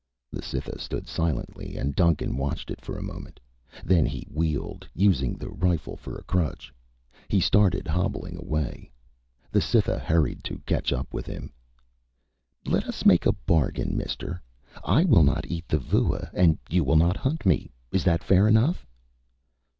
The Cytha stood silently and Duncan watched it for a moment. Then he wheeled. Using the rifle for a crutch, he started hobbling away. The Cytha hurried to catch up with him. "Let us make a bargain, mister. I will not eat the vua and you will not hunt me. Is that fair enough?"